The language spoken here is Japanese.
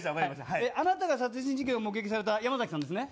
あなたが殺人事件を目撃された山崎さんですね。